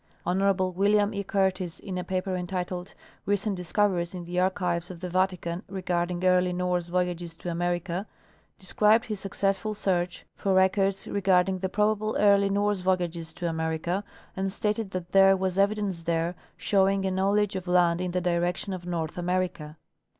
Honorable William E. Curtis, in a paper entitled " Recent Dis coveries in the Archives of the Vatican regarding early Norse Voy ages to America," described his successful search for records re garding the probable early Norse voyages to America, and stated that there was evidence there showing a knowledge of land in the direction of North America.